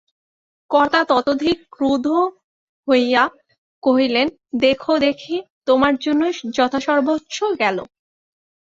কর্তা ততোধিক ক্রুদ্ধ হইয়া কহিলেন, দেখো দেখি, তোমার জন্যই যথাসর্বস্ব গেল।